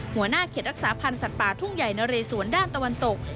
หัวหน้าเขตรักษาพันธ์สัตว์ป่าทุ่งใหญ่นะเรสวนด้านตะวันตก